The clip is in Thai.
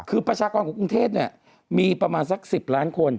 คือประชากรของกรุงเทพเนี่ยมีประมาณสัก๑๐ล้านคน